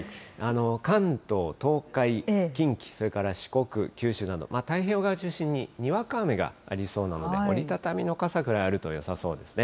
関東、東海、近畿、それから四国、九州など、太平洋側を中心ににわか雨がありそうなので、折り畳みの傘ぐらいあるとよさそうですね。